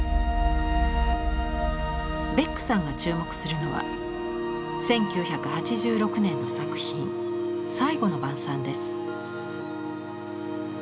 ベックさんが注目するのは１９８６年の作品「最後の晩餐」です。